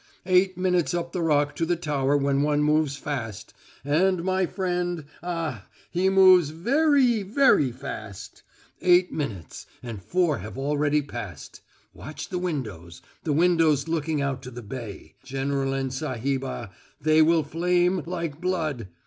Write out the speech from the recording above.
Eight minutes up the Rock to the tower when one moves fast. And my friend ah, he moves veree veree fast. Eight minutes, and four have already passed. Watch the windows the windows looking out to the bay, General and Sahibah. They will flame like blood.